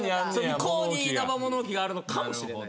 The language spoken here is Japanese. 向こうにイナバ物置があるのかもしれない。